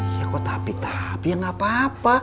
ya kok tapi tapi ya gapapa